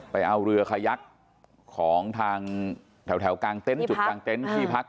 ไปเอาเรือคยักของทางจุดทางเต้นขี้พลักษณ์